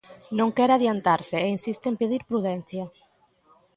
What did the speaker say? Non quere adiantarse, e insiste en pedir prudencia.